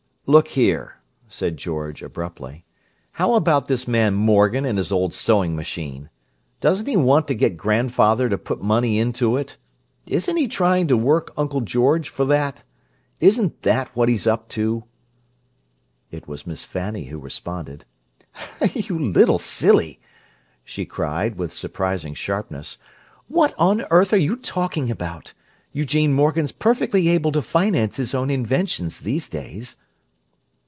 "Look here," said George abruptly. "How about this man Morgan and his old sewing machine? Doesn't he want to get grandfather to put money into it? Isn't he trying to work Uncle George for that? Isn't that what he's up to?" It was Miss Fanny who responded. "You little silly!" she cried, with surprising sharpness. "What on earth are you talking about? Eugene Morgan's perfectly able to finance his own inventions these days."